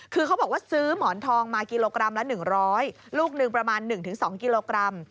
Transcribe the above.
คือเขาบอกว่าซื้อหมอนทองมากิโลกรัมละ๑๐๐ลูกหนึ่งประมาณ๑๒กิโลกรัม